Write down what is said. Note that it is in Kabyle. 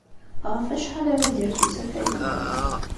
Ɣef wacḥal ara d-yers usafag-nnem?